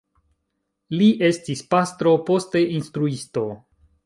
Li estis pastro, poste instruisto.